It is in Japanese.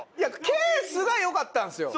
ケースが良かったんですよ。